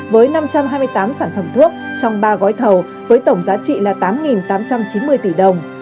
với năm trăm hai mươi tám sản phẩm thuốc trong ba gói thầu với tổng giá trị là tám tám trăm chín mươi tỷ đồng